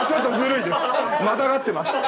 またがってます！